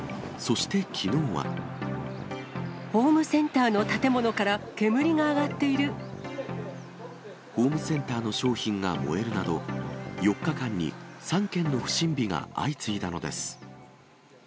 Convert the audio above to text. ホームセンターの建物から煙ホームセンターの商品が燃えるなど、４日間に３件の不審火が相次いだのです。